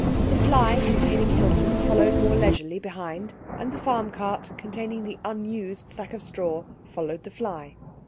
The fly containing Hilton followed more leisurely behind, and the farm cart containing the unused sack of straw followed the fly.